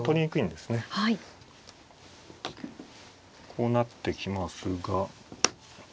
こうなってきますが。